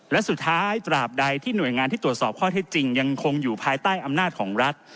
และสุดท้ายตราบใดที่หน่วยงานที่ตรวจสอบข้อเท็จจริงยังคงอยู่ภายใต้อำนาจของรัฐ